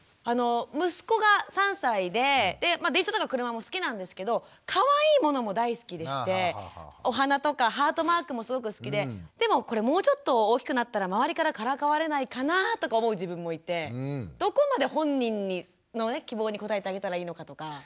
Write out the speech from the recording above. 息子が３歳で電車とか車も好きなんですけどかわいいものも大好きでしてお花とかハートマークもすごく好きででもこれもうちょっと大きくなったら周りからからかわれないかなとか思う自分もいてどこまで本人の希望に応えてあげたらいいのかとか。